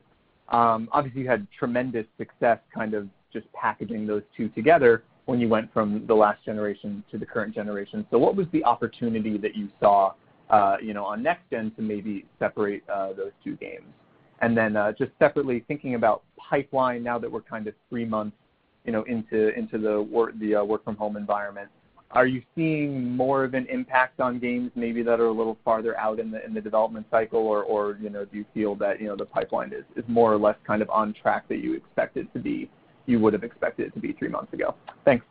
Obviously, you had tremendous success kind of just packaging those two together when you went from the last generation to the current generation. What was the opportunity that you saw on next gen to maybe separate those two games? Just separately, thinking about pipeline now that we're kind of three months into the work from home environment, are you seeing more of an impact on games maybe that are a little farther out in the development cycle or do you feel that the pipeline is more or less on track that you would've expected it to be three months ago? Thanks.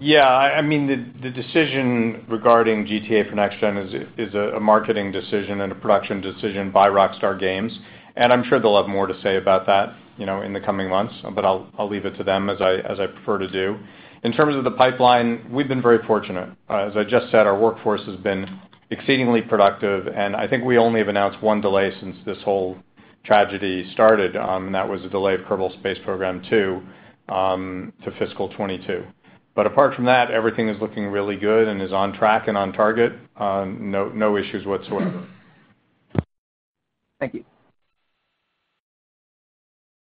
Yeah. The decision regarding GTA for next gen is a marketing decision and a production decision by Rockstar Games, and I'm sure they'll have more to say about that in the coming months. I'll leave it to them as I prefer to do. In terms of the pipeline, we've been very fortunate. As I just said, our workforce has been exceedingly productive, and I think we only have announced one delay since this whole tragedy started, and that was a delay of Kerbal Space Program 2 to fiscal 2022. Apart from that, everything is looking really good and is on track and on target. No issues whatsoever. Thank you.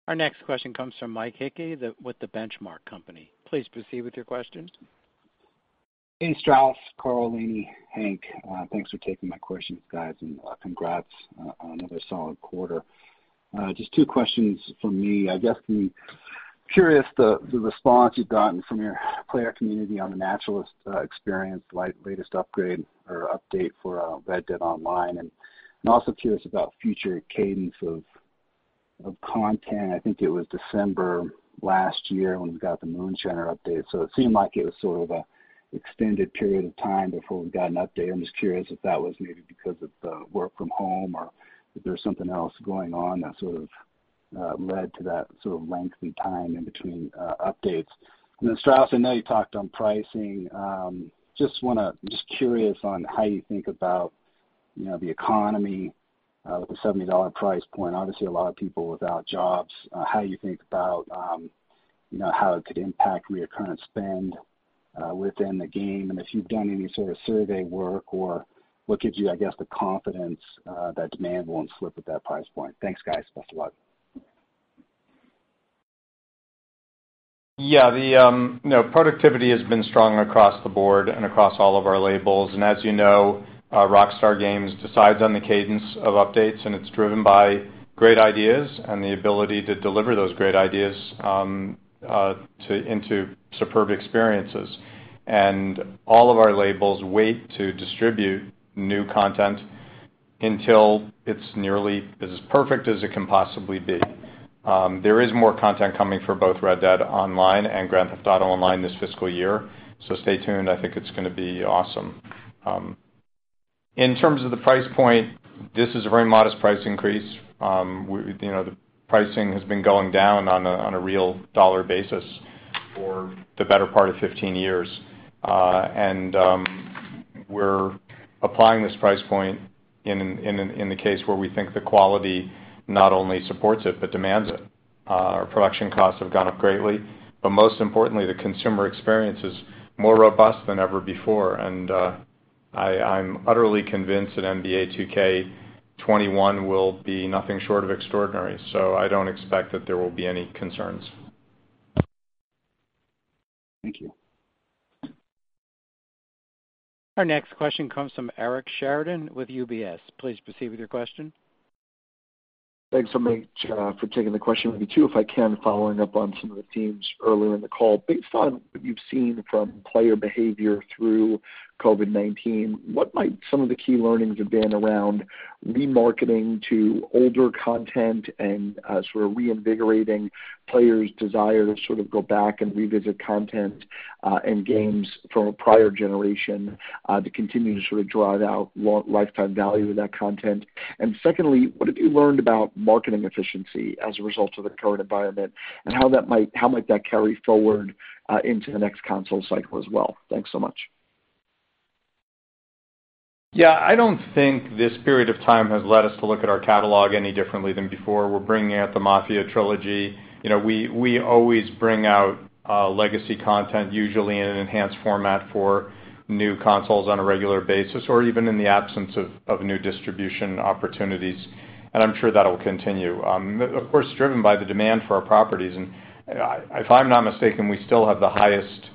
Our next question comes from Mike Hickey with The Benchmark Company. Please proceed with your question. Hey, Strauss, Karl, Lainie, Hank. Thanks for taking my questions, guys, and congrats on another solid quarter. Just two questions from me. I guess the response you've gotten from your player community on The Naturalist experience, latest upgrade or update for Red Dead Online. I am also curious about future cadence of content. I think it was December last year when we got the Moonshiner update, it seemed like it was sort of an extended period of time before we got an update. I am just curious if that was maybe because of the work from home or if there is something else going on that sort of led to that sort of lengthy time in between updates. Strauss, I know you talked on pricing. Just curious on how you think about the economy with a $70 price point. Obviously, a lot of people without jobs. How you think about how it could impact reoccurrent spend within the game, and if you've done any sort of survey work or what gives you, I guess, the confidence that demand won't slip at that price point? Thanks, guys. Best of luck. Yeah. Productivity has been strong across the board and across all of our labels. As you know, Rockstar Games decides on the cadence of updates, and it's driven by great ideas and the ability to deliver those great ideas into superb experiences. All of our labels wait to distribute new content until it's nearly as perfect as it can possibly be. There is more content coming for both Red Dead Online and Grand Theft Auto Online this fiscal year, so stay tuned. I think it's going to be awesome. In terms of the price point, this is a very modest price increase. The pricing has been going down on a real dollar basis for the better part of 15 years. We're applying this price point in the case where we think the quality not only supports it but demands it. Our production costs have gone up greatly, but most importantly, the consumer experience is more robust than ever before. I'm utterly convinced that NBA 2K21 will be nothing short of extraordinary. I don't expect that there will be any concerns. Thank you. Our next question comes from Eric Sheridan with UBS. Please proceed with your question. Thanks so much for taking the question. Maybe two, if I can, following up on some of the themes earlier in the call. Based on what you've seen from player behavior through COVID-19, what might some of the key learnings have been around remarketing to older content and sort of reinvigorating players' desire to sort of go back and revisit content and games from a prior generation to continue to sort of draw out lifetime value of that content? Secondly, what have you learned about marketing efficiency as a result of the current environment, and how might that carry forward into the next console cycle as well? Thanks so much. Yeah, I don't think this period of time has led us to look at our catalog any differently than before. We're bringing out the Mafia Trilogy. We always bring out legacy content, usually in an enhanced format for new consoles on a regular basis or even in the absence of new distribution opportunities, and I'm sure that'll continue. Of course, driven by the demand for our properties, and if I'm not mistaken, we still have the highest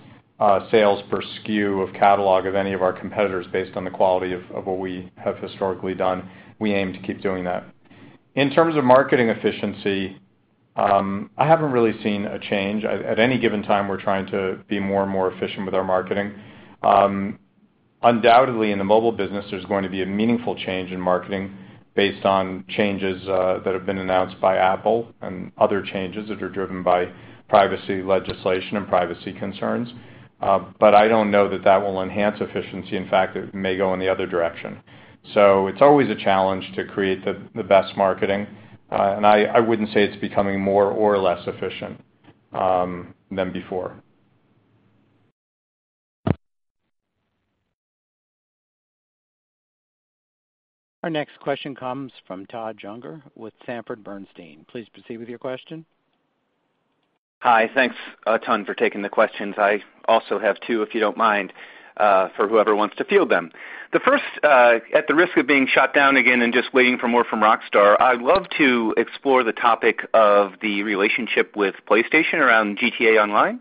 sales per SKU of catalog of any of our competitors based on the quality of what we have historically done. We aim to keep doing that. In terms of marketing efficiency, I haven't really seen a change. At any given time, we're trying to be more and more efficient with our marketing. Undoubtedly, in the mobile business, there's going to be a meaningful change in marketing based on changes that have been announced by Apple and other changes that are driven by privacy legislation and privacy concerns. I don't know that that will enhance efficiency. In fact, it may go in the other direction. It's always a challenge to create the best marketing. I wouldn't say it's becoming more or less efficient than before. Our next question comes from Todd Juenger with Sanford Bernstein. Please proceed with your question. Hi. Thanks a ton for taking the questions. I also have two, if you don't mind, for whoever wants to field them. The first, at the risk of being shot down again and just waiting for more from Rockstar, I'd love to explore the topic of the relationship with PlayStation around GTA Online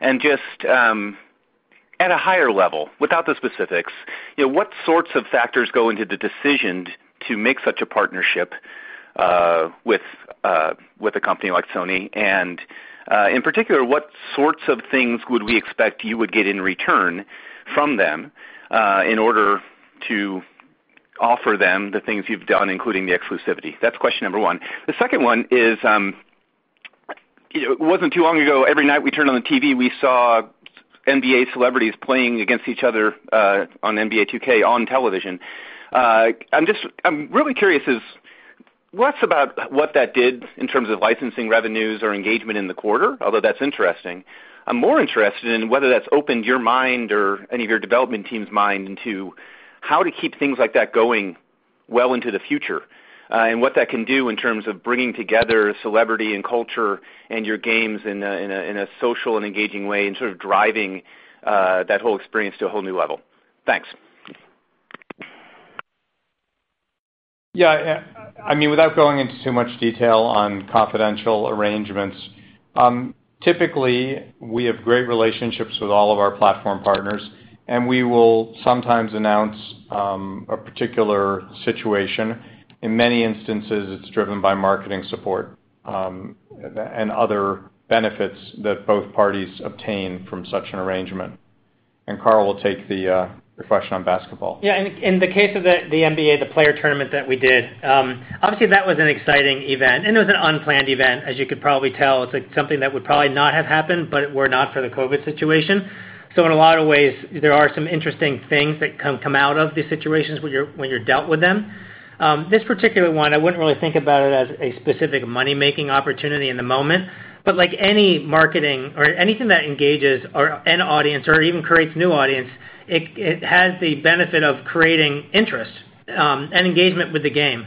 and just at a higher level, without the specifics. What sorts of factors go into the decision to make such a partnership with a company like Sony? In particular, what sorts of things would we expect you would get in return from them in order to offer them the things you've done, including the exclusivity? That's question number one. The second one is, it wasn't too long ago, every night we turned on the TV, we saw NBA celebrities playing against each other on NBA 2K on television. I'm really curious is, less about what that did in terms of licensing revenues or engagement in the quarter, although that's interesting. I'm more interested in whether that's opened your mind or any of your development team's mind into how to keep things like that going well into the future. What that can do in terms of bringing together celebrity and culture and your games in a social and engaging way and sort of driving that whole experience to a whole new level. Thanks. Yeah. Without going into too much detail on confidential arrangements, typically, we have great relationships with all of our platform partners, and we will sometimes announce a particular situation. In many instances, it's driven by marketing support and other benefits that both parties obtain from such an arrangement. And Karl will take the question on basketball. In the case of the NBA, the player tournament that we did, obviously, that was an exciting event, and it was an unplanned event, as you could probably tell. It's something that would probably not have happened, but if it were not for the COVID-19 situation. In a lot of ways, there are some interesting things that come out of these situations when you're dealt with them. This particular one, I wouldn't really think about it as a specific money-making opportunity in the moment. Like any marketing or anything that engages an audience or even creates new audience, it has the benefit of creating interest and engagement with the game.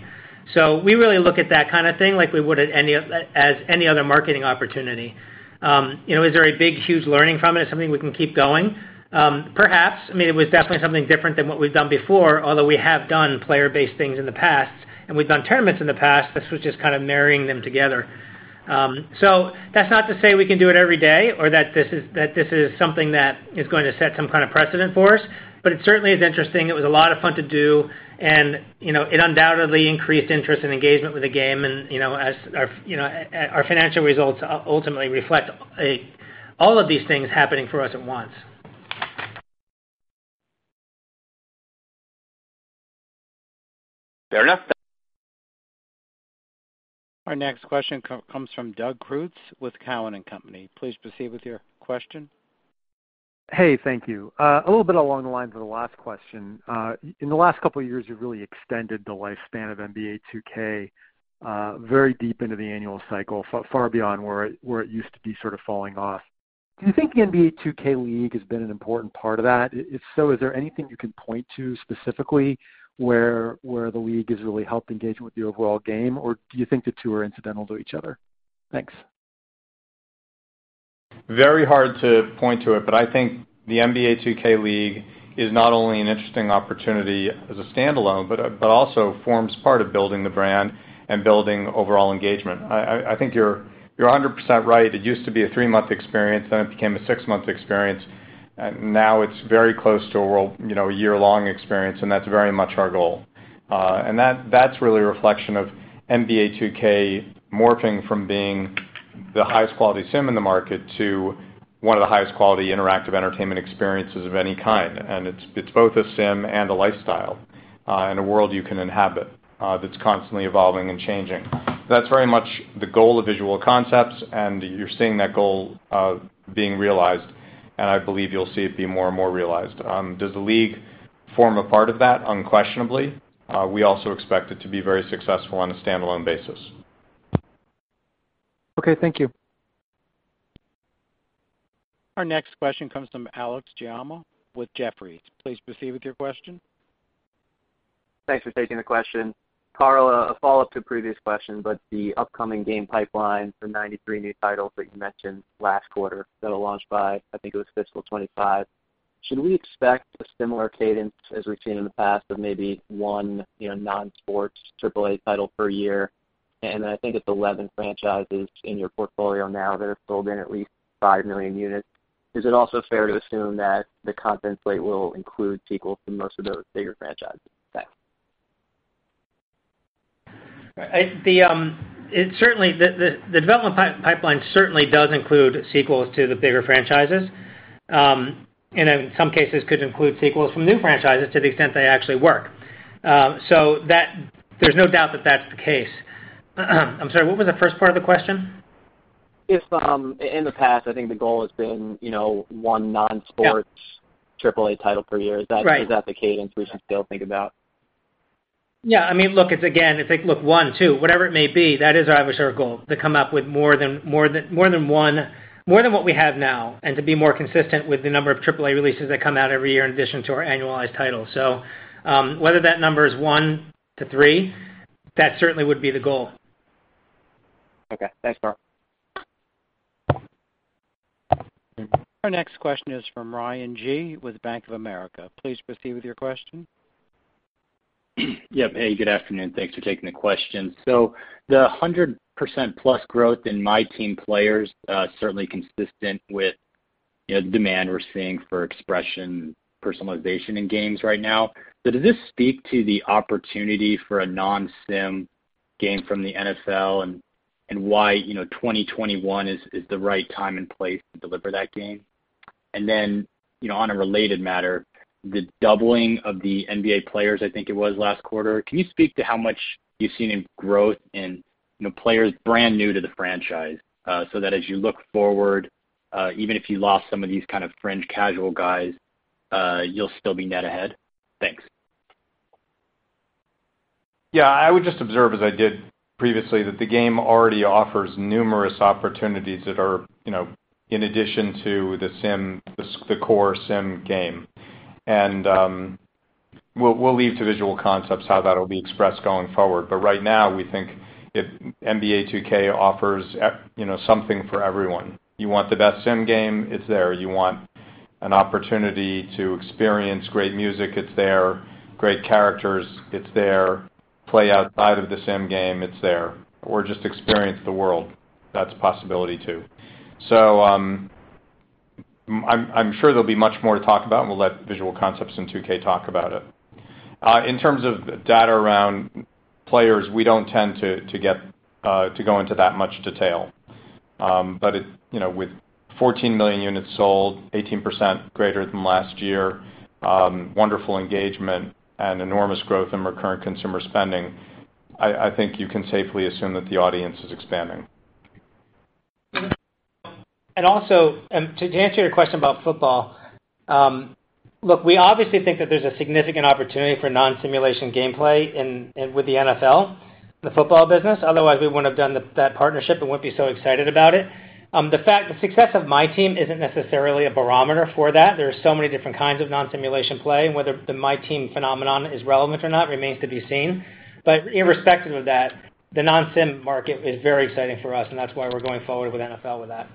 We really look at that kind of thing like we would as any other marketing opportunity. Is there a big, huge learning from it, something we can keep going? Perhaps. It was definitely something different than what we've done before, although we have done player-based things in the past, and we've done tournaments in the past. This was just kind of marrying them together. That's not to say we can do it every day or that this is something that is going to set some kind of precedent for us, but it certainly is interesting. It was a lot of fun to do, and it undoubtedly increased interest and engagement with the game. Our financial results ultimately reflect all of these things happening for us at once. Fair enough. Our next question comes from Doug Creutz with Cowen and Company. Please proceed with your question. Hey, thank you. A little bit along the lines of the last question. In the last couple of years, you've really extended the lifespan of NBA 2K very deep into the annual cycle, far beyond where it used to be sort of falling off. Do you think the NBA 2K League has been an important part of that? If so, is there anything you can point to specifically where the league has really helped engage with your overall game, or do you think the two are incidental to each other? Thanks. Very hard to point to it, but I think the NBA 2K League is not only an interesting opportunity as a standalone, but also forms part of building the brand and building overall engagement. I think you're 100% right. It used to be a three-month experience, then it became a six-month experience. Now it's very close to a year-long experience, and that's very much our goal. That's really a reflection of NBA 2K morphing from being the highest quality sim in the market to one of the highest quality interactive entertainment experiences of any kind. It's both a sim and a lifestyle in a world you can inhabit that's constantly evolving and changing. That's very much the goal of Visual Concepts, and you're seeing that goal being realized, and I believe you'll see it be more and more realized. Does the league form a part of that? Unquestionably. We also expect it to be very successful on a standalone basis. Okay, thank you. Our next question comes from Alex Giaimo with Jefferies. Please proceed with your question. Thanks for taking the question. Karl, a follow-up to a previous question. The upcoming game pipeline, the 93 new titles that you mentioned last quarter that'll launch by, I think it was fiscal 2025. Should we expect a similar cadence as we've seen in the past of maybe one non-sports AAA title per year? I think it's 11 franchises in your portfolio now that have sold in at least 5 million units. Is it also fair to assume that the content slate will include sequels to most of those bigger franchises? Thanks. The development pipeline certainly does include sequels to the bigger franchises. In some cases, could include sequels from new franchises to the extent they actually work. There's no doubt that that's the case. I'm sorry, what was the first part of the question? In the past, I think the goal has been one non-sports AAA title per year. Right. Is that the cadence we should still think about? Look, it's again, if they look one, two, whatever it may be, that is obviously our goal, to come up with more than what we have now, and to be more consistent with the number of AAA releases that come out every year in addition to our annualized titles. Whether that number is one to three, that certainly would be the goal. Okay. Thanks, Karl. Our next question is from Ryan Gee with Bank of America. Please proceed with your question. Yep. Hey, good afternoon. Thanks for taking the question. The 100%+ growth in MyTEAM players certainly consistent with demand we're seeing for expression personalization in games right now. Does this speak to the opportunity for a non-sim game from the NFL and why 2021 is the right time and place to deliver that game? Then, on a related matter, the doubling of the NBA players, I think it was last quarter, can you speak to how much you've seen in growth in players brand new to the franchise so that as you look forward, even if you lost some of these kind of fringe casual guys, you'll still be net ahead? Thanks. I would just observe as I did previously, that the game already offers numerous opportunities that are in addition to the core sim game. We'll leave to Visual Concepts how that'll be expressed going forward. Right now, we think NBA 2K offers something for everyone. You want the best sim game, it's there. You want an opportunity to experience great music, it's there. Great characters, it's there. Play outside of the sim game, it's there. Just experience the world, that's a possibility, too. I'm sure there'll be much more to talk about, and we'll let Visual Concepts and 2K talk about it. In terms of data around players, we don't tend to go into that much detail. With 14 million units sold, 18% greater than last year, wonderful engagement, and enormous growth in recurrent consumer spending, I think you can safely assume that the audience is expanding. To answer your question about football, look, we obviously think that there's a significant opportunity for non-simulation gameplay with the NFL, the football business. Otherwise, we wouldn't have done that partnership and wouldn't be so excited about it. The success of MyTEAM isn't necessarily a barometer for that. There are so many different kinds of non-simulation play, and whether the MyTEAM phenomenon is relevant or not remains to be seen. Irrespective of that, the non-sim market is very exciting for us, and that's why we're going forward with NFL with that.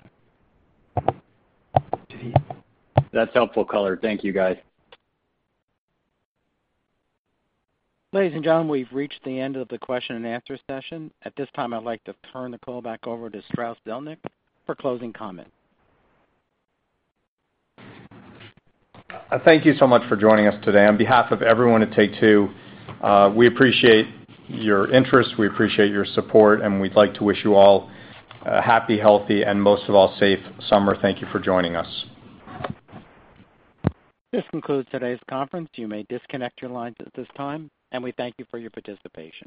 That's helpful color. Thank you, guys. Ladies and gentlemen, we've reached the end of the question-and-answer session. At this time, I'd like to turn the call back over to Strauss Zelnick for closing comment. Thank you so much for joining us today. On behalf of everyone at Take-Two, we appreciate your interest, we appreciate your support, and we'd like to wish you all a happy, healthy, and most of all, safe summer. Thank you for joining us. This concludes today's conference. You may disconnect your lines at this time, and we thank you for your participation.